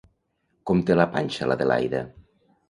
Com té la panxa l'Adelaida?